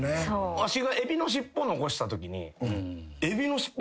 わしがエビの尻尾残したときに。